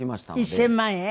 １０００万円？